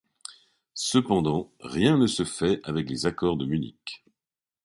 Cependant rien ne se fait avec les accords de Munich.